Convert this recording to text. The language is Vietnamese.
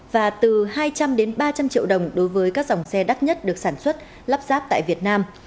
và từ hai trăm linh đến ba trăm linh triệu đồng đối với các dòng xe đắt nhất được sản xuất lắp ráp tại việt nam